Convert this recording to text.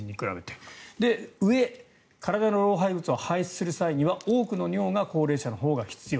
そのうえ体の老廃物を排出する際には多くの尿が高齢者のほうが必要。